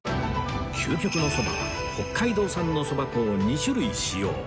究極のそばは北海道産のそば粉を２種類使用